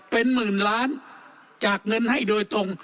เป็นหมื่นล้านจากเงินให้โดยตรง